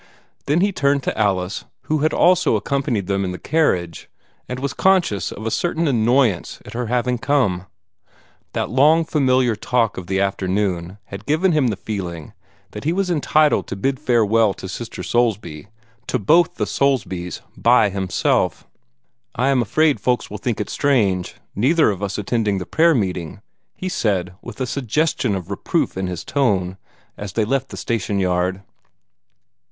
Then he turned to Alice, who had also accompanied them in the carriage, and was conscious of a certain annoyance at her having come. That long familiar talk of the afternoon had given him the feeling that he was entitled to bid farewell to Sister Soulsby to both the Soulsbys by himself. "I am afraid folks will think it strange neither of us attending the prayer meeting," he said, with a suggestion of reproof in his tone, as they left the station yard.